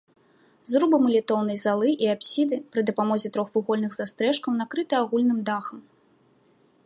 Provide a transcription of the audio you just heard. Зрубы малітоўнай залы і апсіды пры дапамозе трохвугольных застрэшкаў накрыты агульным дахам.